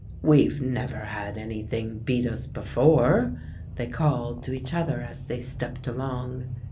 'We've never had anything beat us before,' they called to each other as they stepped along.